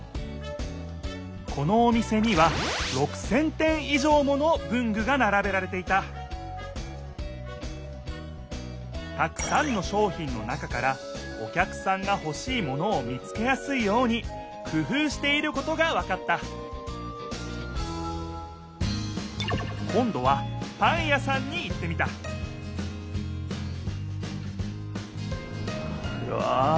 このお店には６，０００点以上もの文具がならべられていたたくさんの商品の中からお客さんがほしいものを見つけやすいようにくふうしていることがわかった今どはパン屋さんに行ってみたうわ！